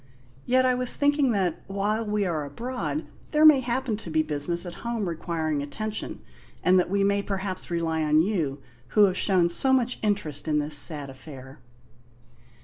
Yet I was thinking that, while we are abroad, there may happen to be business at home requiring attention, and that we may perhaps rely on you who have shown so much interest in this sad affair."